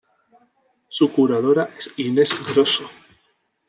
Su curadora es Inês Grosso.